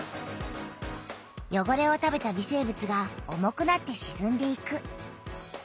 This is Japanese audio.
よごれを食べた微生物が重くなってしずんでいく。